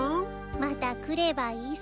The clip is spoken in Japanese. また来ればいいさ。